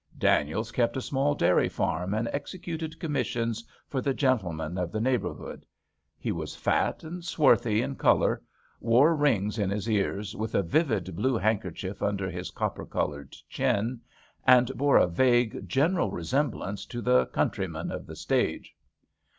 Daniels kept a small dairy farm and executed commissions for the gentlemen of the neighbourhood. He was fat, and swarthy in colour, wore rings in his ears, with a vivid blue handker chief under his copper coloured chin, and bore a vague general resemblance to the " countryman *' of the stage.